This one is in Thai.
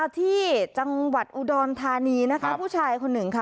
ที่จังหวัดอุดรธานีนะคะผู้ชายคนหนึ่งค่ะ